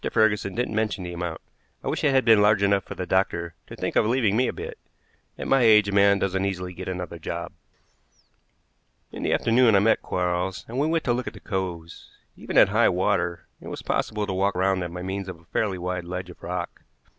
Ferguson didn't mention the amount. I wish it had been large enough for the doctor to think of leaving me a bit. At my age a man doesn't easily get another job." In the afternoon I met Quarles, and we went to look at the coves. Even at high water it was possible to walk round them by means of a fairly wide ledge of rock.